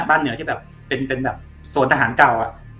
บ้านเหนือที่เป็นโซนทหารเก่า